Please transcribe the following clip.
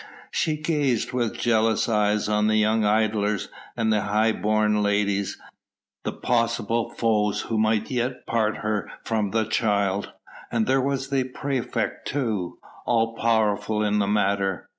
She gazed with jealous eyes on the young idlers and the high born ladies, the possible foes who yet might part her from the child. And there was the praefect too, all powerful in the matter.